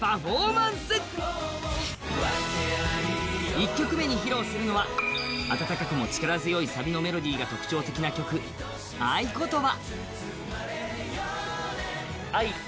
１曲目に披露するのは温かくも力強いサビのメロディーが特徴的な曲「あいことば」。